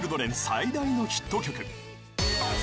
最大のヒット曲］